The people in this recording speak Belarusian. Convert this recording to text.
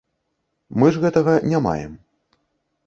Мы ж гэтага не маем.